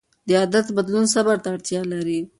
د عادت بدلون صبر ته اړتیا لري.